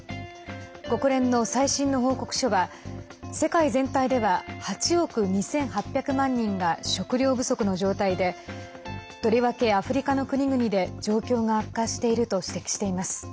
国連の最新の報告書は世界全体では８億２８００万人が食糧不足の状態でとりわけアフリカの国々で状況が悪化していると指摘しています。